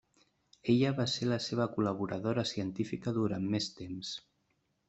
Ella va ser la seva col·laboradora científica durant més temps.